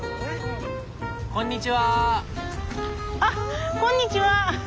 あっこんにちは。